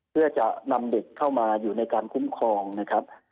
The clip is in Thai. เพื่อจะนำเด็กเข้ามาอยู่ในการคุ้มครองนะครับ